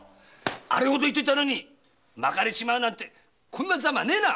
あれほど言ったのに撒かれちまうなんて態ァねえな！